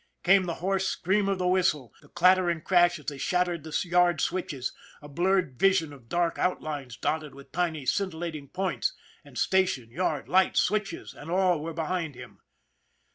Came the hoarse scream of the whistle, the clattering crash as they shattered the yard switches, a blurred vision of dark outlines dotted with tiny scintillating points, and station, yard, lights, switches and all were behind him.